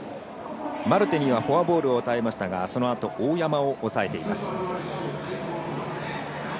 マルテにはフォアボールを与えましたがそのあと大山を抑えています。